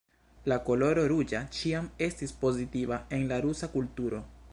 La koloro ruĝa ĉiam estis pozitiva en la rusa kulturo.